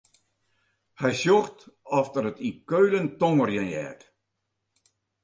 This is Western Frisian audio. Hy sjocht oft er it yn Keulen tongerjen heart.